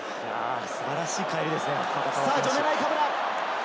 素晴らしいかえりですね。